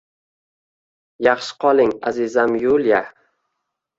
Yaxshi qoling, azizam Yuliya.